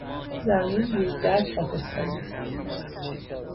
زمین یکدست خاکستری بود.